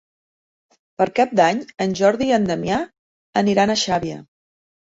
Per Cap d'Any en Jordi i en Damià aniran a Xàbia.